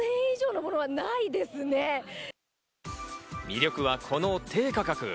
魅力はこの低価格。